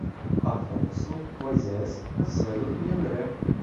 Afonso, Moisés, Marcelo e André